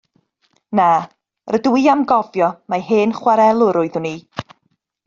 Na, rydw i am gofio mai hen chwarelwr oeddwn i.